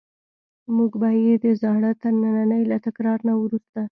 موږ به یې د زاړه ترننی له تکرار نه وروسته.